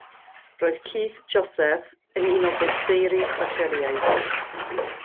Roedd Keith Joseph yn un o benseiri Thatcheriaeth.